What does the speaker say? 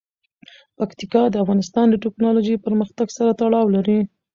پکتیکا د افغانستان د تکنالوژۍ پرمختګ سره تړاو لري.